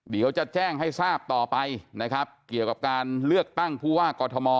เดี๋ยวจะแจ้งให้ทราบต่อไปนะครับเกี่ยวกับการเลือกตั้งผู้ว่ากอทม